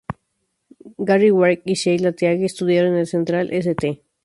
Gary Wright y Sheila Teague estudiaron en el Central St.